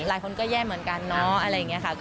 หลายคนก็แย่เหมือนกันเนาะอะไรอย่างนี้ค่ะ